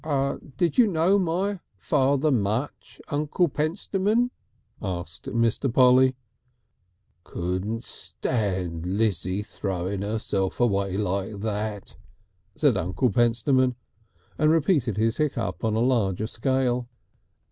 "Did you know my father much, Uncle Pentstemon?" asked Mr. Polly. "Couldn't stand Lizzie throwin' herself away like that," said Uncle Pentstemon, and repeated his hiccup on a larger scale.